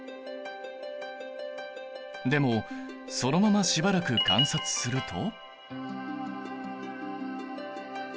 でもそのまましばらく観察すると。